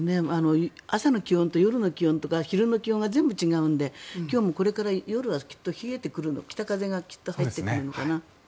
朝の気温と夜の気温とか昼の気温が全部違うので今日もこれから夜はきっと冷えてくる北風が入ってくるのかな。